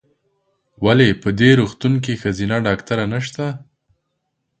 ولې په دي روغتون کې ښځېنه ډاکټره نشته ؟